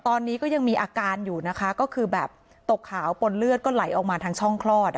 ตอนนี้ก็ยังมีอาการอยู่นะคะก็คือแบบตกขาวปนเลือดก็ไหลออกมาทางช่องคลอด